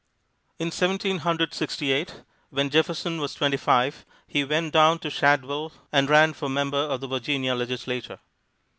In Seventeen Hundred Sixty eight, when Jefferson was twenty five, he went down to Shadwell and ran for member of the Virginia Legislature.